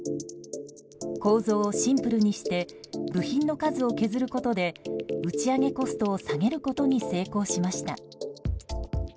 構造をシンプルにして部品の数を削ることで打ち上げコストを下げることに成功しました。